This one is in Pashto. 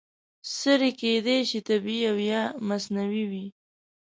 سرې کیدای شي طبیعي او یا مصنوعي وي.